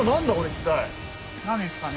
何ですかね？